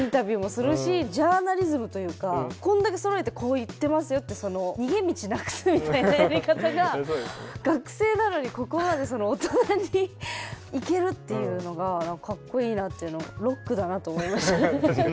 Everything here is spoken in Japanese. ジャーナリズムというかこんだけそろえて「こう言ってますよ」って逃げ道なくすみたいなやり方が学生なのにここまで大人にいけるっていうのがかっこいいなというロックだなと思いましたね。